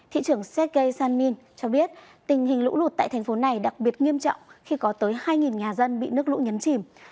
thị trưởng sergei sanin cho biết tình hình lũ lụt tại thành phố này đặc biệt nghiêm trọng khi có tới hai nhà dân bị nước lũ nhấn chìm